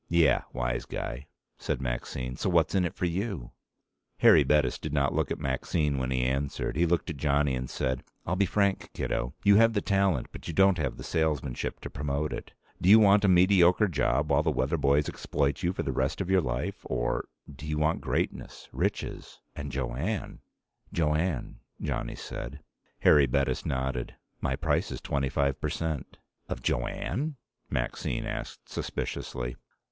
"Yeah, wise guy," said Maxine. "So what's in it for you?" Harry Bettis did not look at Maxine when he answered. He looked at Johnny and said, "I'll be frank, kiddo. You have the talent, but you don't have the salesmanship to promote it. Do you want a mediocre job while the weather boys exploit you for the rest of your life or do you want greatness, riches, and Jo Anne?" "Jo Anne," Johnny said. Harry Bettis nodded. "My price is twenty five percent." "Of Jo Anne?" Maxine asked suspiciously.